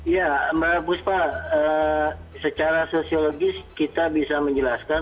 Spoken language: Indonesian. ya mbak buspa secara sosiologis kita bisa menjelaskan